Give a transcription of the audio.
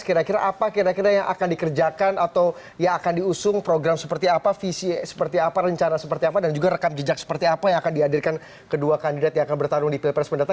kira kira apa kira kira yang akan dikerjakan atau yang akan diusung program seperti apa visi seperti apa rencana seperti apa dan juga rekam jejak seperti apa yang akan dihadirkan kedua kandidat yang akan bertarung di pilpres mendatang